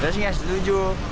saya sih tidak setuju